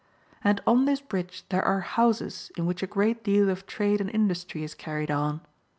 And on this bridge there are houses in which a great deal of trade and industry is carried on.